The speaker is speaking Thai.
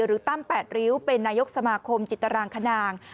หรือตั้มแปดริ้วเป็นนายกสมาคมจิตรางคนาง